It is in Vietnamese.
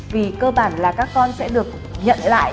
vì cơ bản là các con sẽ được nhận lại